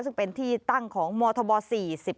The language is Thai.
ซึ่งเป็นที่ตั้งของมธบ๔๑